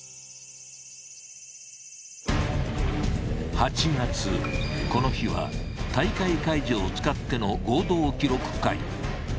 ８月この日は大会会場を使っての合同記録会。